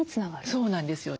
そうなんですよ。